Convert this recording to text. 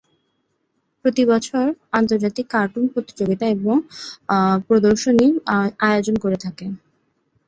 প্রতি বছর আন্তর্জাতিক কার্টুন প্রতিযোগিতা এবং প্রদর্শনীর আয়োজন করে থাকে।